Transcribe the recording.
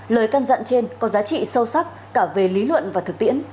lời căn dặn trên có giá trị sâu sắc cả về lý luận và thực tiễn